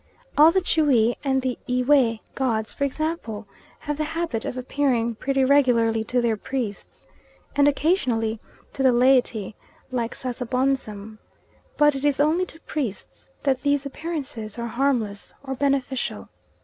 All the Tschwi and the Ewe gods, for example, have the habit of appearing pretty regularly to their priests, and occasionally to the laity, like Sasabonsum; but it is only to priests that these appearances are harmless or beneficial.